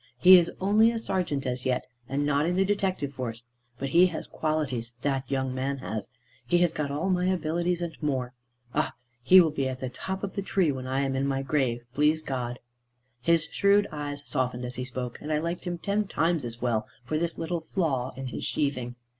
He is only a serjeant as yet, and not in the detective force; but he has qualities, that young man has, he has got all my abilities, and more! Ah, he will be at the top of the tree when I am in my grave, please God." His shrewd eyes softened as he spoke, and I liked him ten times as well for this little flaw in his sheathing.